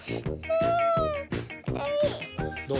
どう？